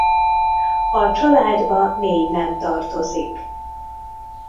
A családba négy nem tartozik.